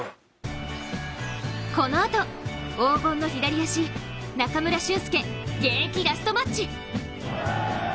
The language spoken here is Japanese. このあと、黄金の左足中村俊輔、現役ラストマッチ。